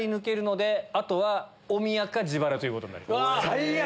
最悪！